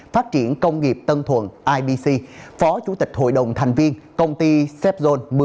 phát triển công nghiệp tân thuận ibc phó chủ tịch hội đồng thành viên công ty sepol